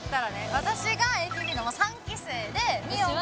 私がＡＫＢの３期生で美音が。